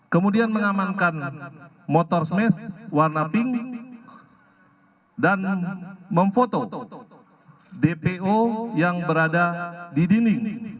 kemudian mengamankan motor smash warna pink dan memfoto dpo yang berada di dinding